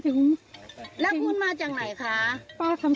เดี๋ยวผู้ใหญ่ยังไงพี่ต้องทำ